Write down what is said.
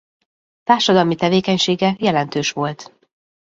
Társadalmi tevékenysége jelentős volt.